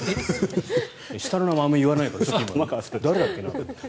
下の名前あまり言わないから今、誰だっけなって。